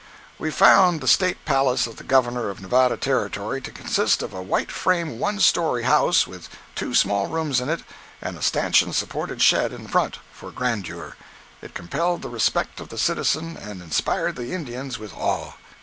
We found the state palace of the Governor of Nevada Territory to consist of a white frame one story house with two small rooms in it and a stanchion supported shed in front—for grandeur—it compelled the respect of the citizen and inspired the Indians with awe.